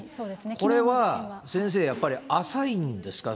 これは先生、やっぱり浅いんですか？